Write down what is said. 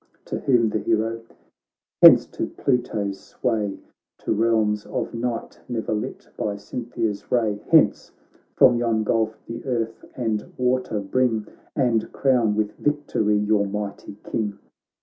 To whom the hero :' Hence to Pluto's sway, To realms of night ne'er lit by Cynthia's ray; Hence — from yon gulf the earth and water bring And crown with victory your mighty King.'